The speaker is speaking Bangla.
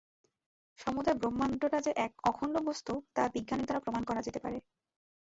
সমুদয় ব্রহ্মাণ্ডটা যে এক অখণ্ড বস্তু, তা বিজ্ঞানের দ্বারা প্রমাণ করা যেতে পারে।